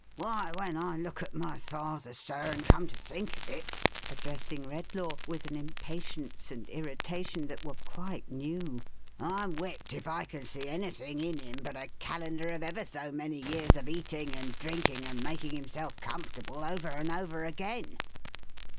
" Why, when I look at my father, sir, and come to think of it," addressing Redlaw, with an impatience and irritation that were quite new, " I'm whipped if I can see anything in him but a calendar of ever so many years of eating and drinking, and making himself comfortable, over and over again."